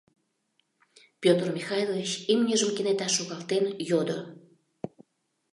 — Петр Михайлович, имньыжым кенета шогалтен, йодо.